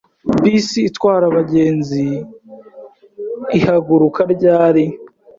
Bisi itwara abagenzi ihaguruka ryari?